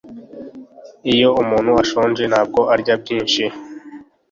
Iyo umuntu ashonje ntago arya byinshi